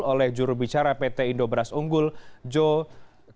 oleh jurubicara pt indo beras unggul joe